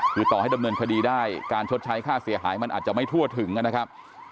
คือต่อให้ดำเนินคดีได้การชดใช้ค่าเสียหายมันอาจจะไม่ทั่วถึงนะครับ